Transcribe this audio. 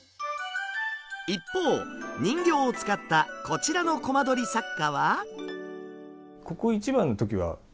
一方人形を使ったこちらのコマ撮り作家は。